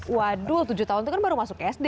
waduh tujuh tahun itu kan baru masuk sd